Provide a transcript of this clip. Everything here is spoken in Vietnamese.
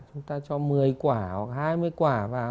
chúng ta cho một mươi quả hoặc hai mươi quả vào